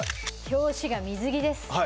表紙が水着です